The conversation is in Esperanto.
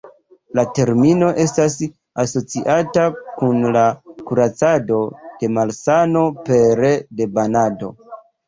La termino estas asociata kun la kuracado de malsano pere de banado.